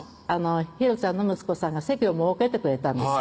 ひろちゃんの息子さんが席を設けてくれたんですよ